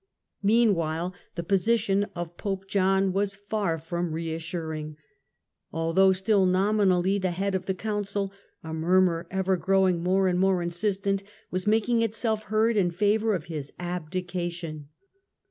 Meanwhile the position of Pope John was far from Measures reassuring. Although still nominally the head of thejohn" Council, a murmur, ever growing more and more insist ^xm ent, was making itself heard in favour of his abdication.